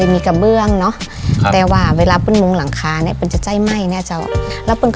มีบอกถึงของเดิน